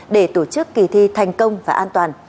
để tổ chức kỳ thi thành công và an toàn